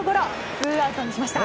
ツーアウトにしました。